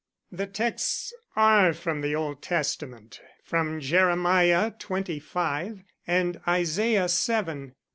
"The texts are from the Old Testament, from Jeremiah XXV and Isaiah VII.